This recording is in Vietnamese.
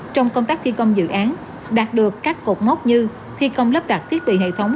trong công tác thi công dự án đạt được các cột mốc như thi công lắp đặt thiết bị hệ thống